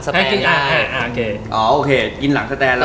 ที่นั่งปะ